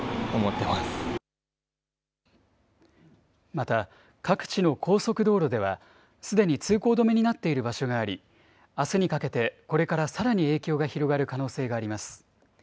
また各地の高速道路では、すでに通行止めになっている場所があり、あすにかけて、これからさらに影響が広がる可能性があります。